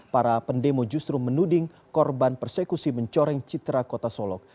para pendemo justru menuding korban persekusi mencoreng citra kota solok